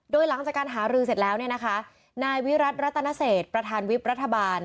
โดยหลังจากการหารือเสร็จแล้วเนี่ยนะคะนายวิรัติรัตนเศษประธานวิบรัฐบาล